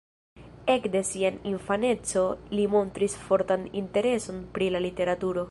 Ekde sia infaneco li montris fortan intereson pri la literaturo.